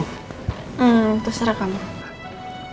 hmm terserah kamu